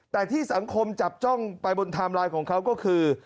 แต่ที่สังคมจับจ้องไปบนไทม์ไลน์ของเขาก็คือ